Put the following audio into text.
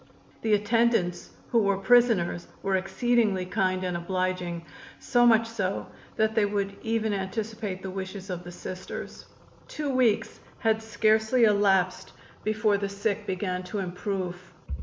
The attendants, who were prisoners, were exceedingly kind and obliging, so much so that they would even anticipate the wishes of the Sisters. Two weeks had scarcely elapsed before the sick began to improve.